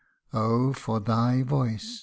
Oh ! for thy voice !